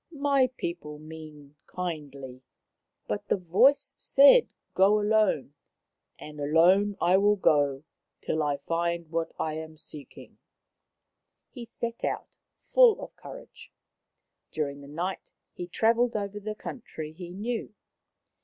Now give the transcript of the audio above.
My people mean kindly, but the voice said, " Go alone," and alone I will go till I find what I am seeking." He set out, full of courage. During the night he travelled over the country he knew.